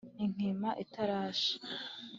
inkima itarashe